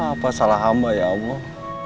apa salah hamba ya allah